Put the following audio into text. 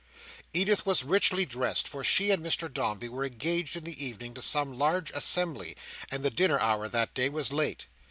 Edith was richly dressed, for she and Mr Dombey were engaged in the evening to some large assembly, and the dinner hour that day was late.